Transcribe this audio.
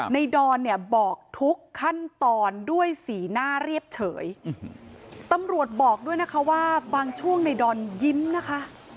ดอนเนี่ยบอกทุกขั้นตอนด้วยสีหน้าเรียบเฉยตำรวจบอกด้วยนะคะว่าบางช่วงในดอนยิ้มนะคะ